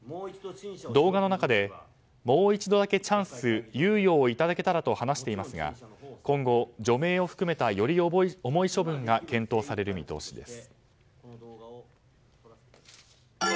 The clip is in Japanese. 動画の中でもう一度だけチャンス猶予をいただけたらと話していますが今後、除名を含めたより重い処分が検討される見通しです。